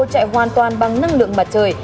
chạy hoàn toàn bằng năng lượng mặt trời